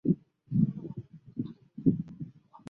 保证会给利息